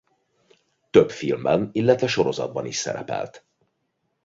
Több filmben illetve sorozatban is szerepelt.